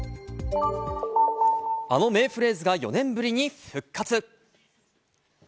あの名フレーズが４年ぶりに復活。